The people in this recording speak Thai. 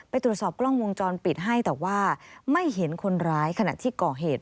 ไปตรวจสอบกล้องวงจรปิดให้แต่ว่าไม่เห็นคนร้ายขณะที่ก่อเหตุ